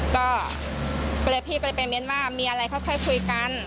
ก็เลยพี่ก็เลยไปเน้นว่ามีอะไรค่อยคุยกัน